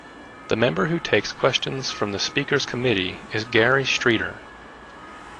The member who takes questions for the Speaker's Committee is Gary Streeter.